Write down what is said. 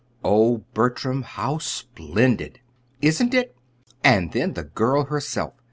"Oh, Bertram, how splendid!" "Isn't it? And then the girl herself!